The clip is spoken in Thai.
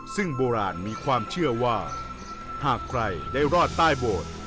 ซึ่งโบราณมีความเชื่อว่าหากใครได้รอดใต้โบสถ์